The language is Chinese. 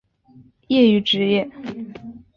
业余职业